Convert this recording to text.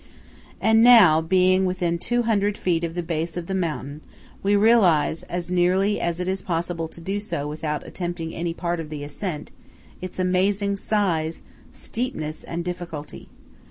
And now, being within two hundred feet of the base of the mountain, we realise, as nearly as it is possible to do so without attempting any part of the ascent, its amazing size, steepness, and difficulty.